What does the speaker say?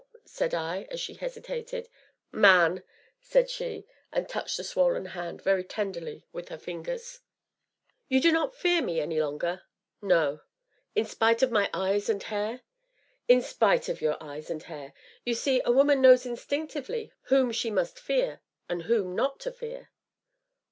said I, as she hesitated. " man!" said she, and touched the swollen hand very tenderly with her fingers. "You do not fear me any longer?" "No." "In spite of my eyes and hair?" "In spite of your eyes and hair you see, a woman knows instinctively whom she must fear and whom not to fear."